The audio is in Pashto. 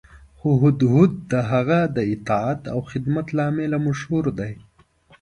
خو هدهد د هغه د اطاعت او خدمت له امله مشهور دی.